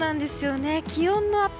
気温のアップ